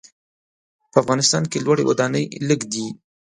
په افغانستان کې لوړې ودانۍ لږ دي.